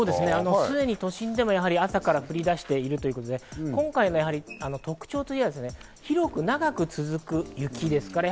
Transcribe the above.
すでに都心でも朝から降りだしているということで、特徴としては広く長く続く雪。